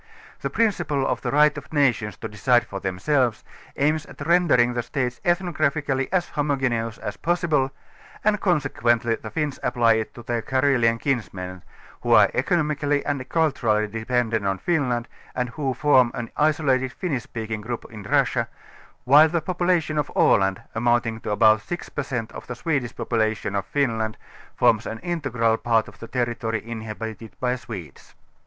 The prin ciple of the right of nations to decide for lliemselves aims 2 18 at rendering the states ethuograpliically as homogeneous a. possible and consequently the Finns apply it to their Ca relian kinsmen, who are economically and culturally de pendent on Finland and who form an isolated Finnish speak ing group in Russia, while the population of Aland, amount ing to about 6 % of the Swedish population of Finland, forms an integral part of the territory inhabited by Swedes.